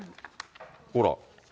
ほら。